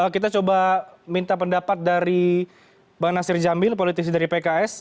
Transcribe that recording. kita coba minta pendapat dari bang nasir jamil politisi dari pks